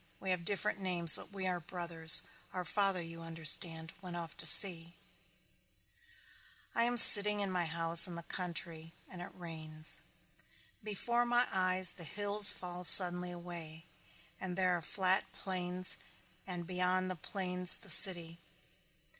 "We have different names but we are brothers. Our father you understand went off to sea." I am sitting in my house in the country and it rains. Before my eyes the hills fall suddenly away and there are the flat plains and beyond the plains the city.